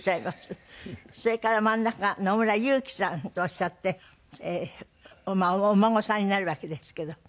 それから真ん中が野村裕基さんとおっしゃってお孫さんになるわけですけど。